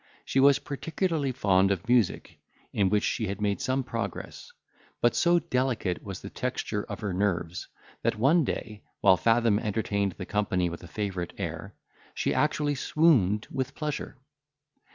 She was particularly fond of music, in which she had made some progress; but so delicate was the texture of her nerves, that one day, while Fathom entertained the company with a favourite air, she actually swooned with pleasure.